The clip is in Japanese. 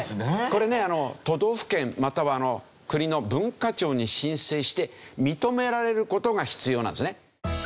これね都道府県または国の文化庁に申請して認められる事が必要なんですね。